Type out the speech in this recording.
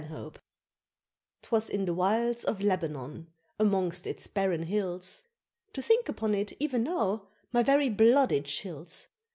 ] 'Twas in the wilds of Lebanon, amongst its barren hills, To think upon it, even now, my very blood it chills!